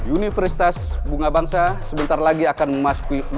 universitas bunga bangsa sebentar lagi akan memasuki wustrum yang ke lima